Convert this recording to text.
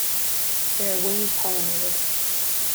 They are wind-pollinated.